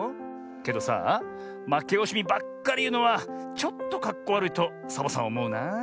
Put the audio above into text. けどさあまけおしみばっかりいうのはちょっとかっこわるいとサボさんおもうなあ。